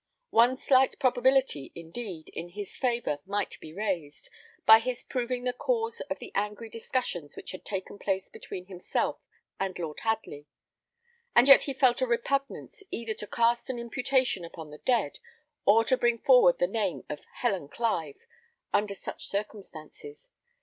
One slight probability, indeed, in his favour might be raised, by his proving the cause of the angry discussions which had taken place between himself and Lord Hadley; and yet he felt a repugnance either to cast an imputation upon the dead, or to bring forward the name of Helen Clive under such circumstances.